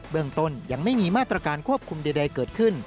เรื่องต้นยังไม่มีมาตรการควบคุมใดเกิดขึ้น